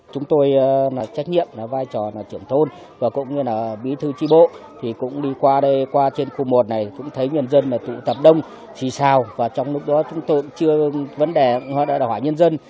chúng tôi là trách nhiệm là vai trò trưởng thôn và cũng như là bí thư tri bộ thì cũng đi qua đây qua trên khu một này cũng thấy nhân dân tụ tập đông xì xào và trong lúc đó chúng tôi chưa vấn đề hỏi nhân dân